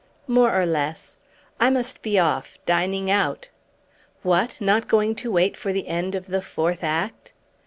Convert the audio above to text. "More or less. I must be off. Dining out." "What! Not going to wait for the end of the fourth act?"